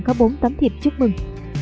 có bốn tấm thiệp chúc mừng